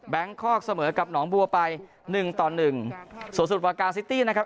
คอกเสมอกับหนองบัวไปหนึ่งต่อหนึ่งส่วนสุดวากาซิตี้นะครับ